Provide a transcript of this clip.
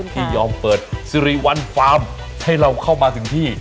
ที่ยอมเปิดสิริวัลฟาร์มให้เราเข้ามาถึงที่